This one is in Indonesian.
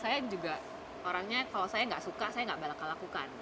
saya juga orangnya kalau saya tidak suka saya tidak akan melakukan